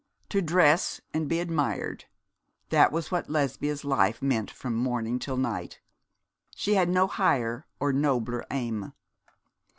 To dress and be admired that was what Lesbia's life meant from morning till night. She had no higher or nobler aim.